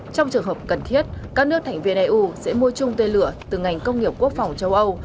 trong trường hợp cần thiết các nước thành viên eu sẽ mua chung tên lửa từ ngành công nghiệp quốc phòng châu âu